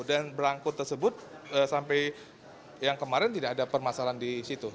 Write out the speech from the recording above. dan belangkuk tersebut sampai yang kemarin tidak ada permasalahan di situ